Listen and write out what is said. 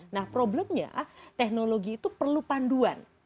nah problemnya teknologi itu perlu panduan